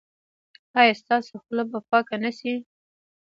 ایا ستاسو خوله به پاکه نه شي؟